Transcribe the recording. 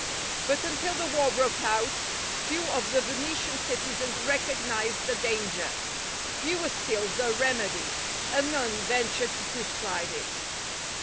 But until the war broke out, few of the Venetian citizens recognized the danger, fewer still the remedy, and none ventured to prescribe it.